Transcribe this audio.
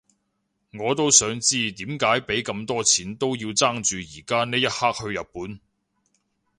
我都想知點解畀咁多錢都要爭住而家呢一刻去日本